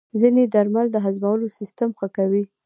ځینې درمل د هضمولو سیستم ښه کوي.